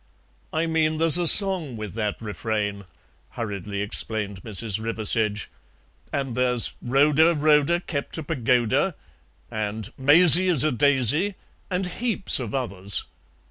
"I mean there's a SONG with that refrain," hurriedly explained Mrs. Riversedge, "and there's 'Rhoda, Rhoda kept a pagoda,' and 'Maisie is a daisy,' and heaps of others.